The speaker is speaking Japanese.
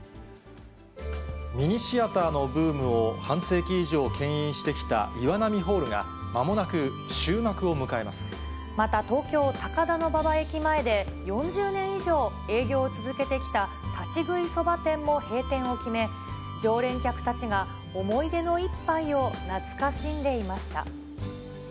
ミニシアターのブームを半世紀以上けん引してきた岩波ホールが、また東京・高田馬場駅前で、４０年以上営業を続けてきた立ち食いそば店も閉店を決め、常連客達が思い出の一杯を懐かしんでいました。